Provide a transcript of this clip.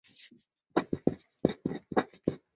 部分任务需要强制使用上述模式以击落目标。